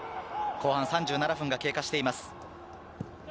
後半３７分が経過しています。